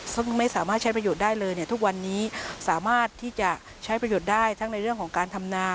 ซึ่งไม่สามารถใช้ประโยชน์ได้เลยเนี่ยทุกวันนี้สามารถที่จะใช้ประโยชน์ได้ทั้งในเรื่องของการทำนา